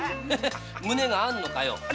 胸があるのかよ？